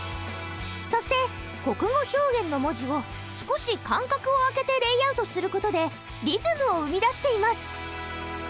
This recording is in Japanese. そして「国語表現」の文字を少し間隔を空けてレイアウトする事でリズムを生み出しています。